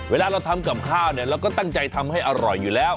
เวลาเราทำกับข้าวเนี่ยเราก็ตั้งใจทำให้อร่อยอยู่แล้ว